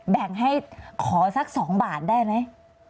แบ่งให้ขอสัก๒บาทได้ไหม